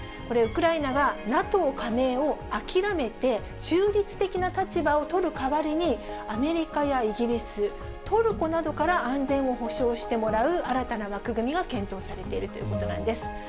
これ、ウクライナがＮＡＴＯ加盟を諦めて、中立的な立場を取る代わりに、アメリカやイギリス、トルコなどから、安全を保障してもらう新たな枠組みが検討されているということなんです。